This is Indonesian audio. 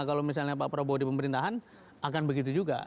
kalau misalnya pak prabowo di pemerintahan akan begitu juga